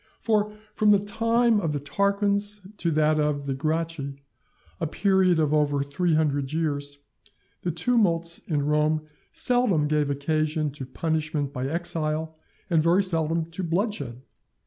For from the time of the Tarquins to that of the Gracchi, a period of over three hundred years, the tumults in Rome seldom gave occasion to punishment by exile, and very seldom to bloodshed.